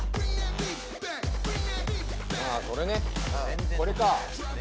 ああこれねこれか。